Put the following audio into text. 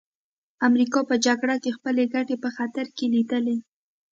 امریکا په جګړه کې خپلې ګټې په خطر کې لیدې